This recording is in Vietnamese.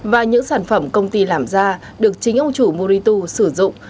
và những sản phẩm công ty làm ra được chính ông chủ murito sử dụng